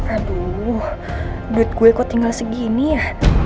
aduh duit gue tinggal segini ya